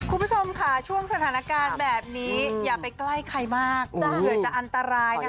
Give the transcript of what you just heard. คุณผู้ชมค่ะช่วงสถานการณ์แบบนี้อย่าไปใกล้ใครมากเผื่อจะอันตรายนะคะ